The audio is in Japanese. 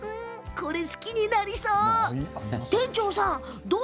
これ好きになりそう！